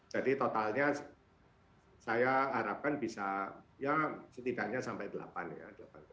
jadi totalnya saya harapkan bisa ya setidaknya sampai delapan ya